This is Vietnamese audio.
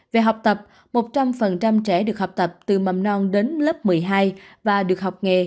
về học tập một trăm linh trẻ được học tập từ mầm non đến lớp một mươi hai và được học nghề